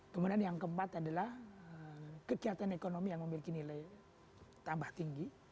kemudian yang keempat adalah kegiatan ekonomi yang memiliki nilai tambah tinggi